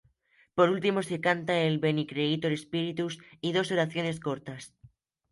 Por último, se canta el "Veni Creator Spiritus" y dos oraciones cortas.